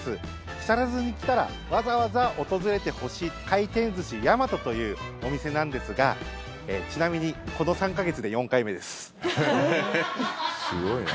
木更津に来たらわざわざ訪れてほしい回転寿司やまとというお店なんですがちなみにこの３か月で４回目です。